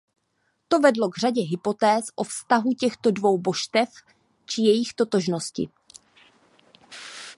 To vedlo k řadě hypotéz o vztahu těchto dvou božstev či jejich totožnosti.